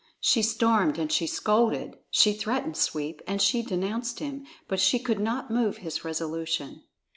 She stormed and she scolded; she threatened Sweep and she denounced him; but she could not move his resolution.